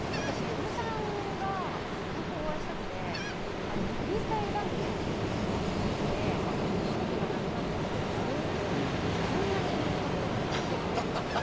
呂布さんにお会いしたくてフリースタイルダンジョンに一時期はまってお仕事がなくなったときにあれを見てこんなに命懸けで戦っている人がいるんだと。